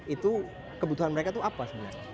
itu kebutuhan mereka itu apa sebenarnya